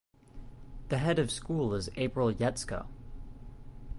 The head of school is April Yetsko.